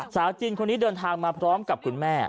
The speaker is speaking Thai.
สาวจีนคนนี้เดินทางมาพร้อมกับคุณแม่